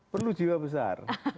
perlu jiwa besar